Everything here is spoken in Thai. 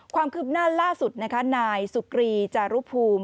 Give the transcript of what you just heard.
ความคืบหน้าล่าสุดนะคะนายสุกรีจารุภูมิ